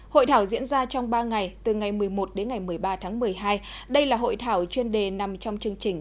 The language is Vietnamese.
hội thảo diễn ra trong ba ngày từ ngày một mươi một một mươi ba một mươi hai đây là hội thảo chuyên đề nằm trong chương trình